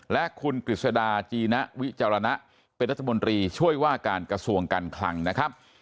และคุณกฤษดาจีนะวิจารณะเป็นรัฐมนตรีช่วยว่าการกระทรวงการคลังนะครับ